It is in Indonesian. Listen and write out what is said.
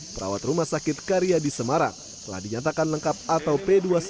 perawat rumah sakit karya di semarang telah dinyatakan lengkap atau p dua puluh sembilan